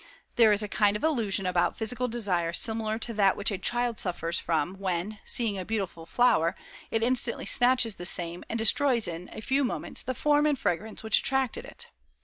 There is a kind of illusion about physical desire similar to that which a child suffers from when, seeing a beautiful flower, it instantly snatches the same and destroys in a few moments the form and fragrance which attracted it.